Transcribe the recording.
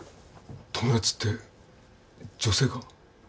友達って女性か？